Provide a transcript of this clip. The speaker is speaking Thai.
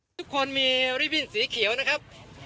ทุกคนมีริบวินสีเขียวนะครับ